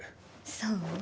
そう？